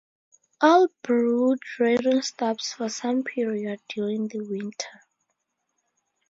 All brood rearing stops for some period during the winter.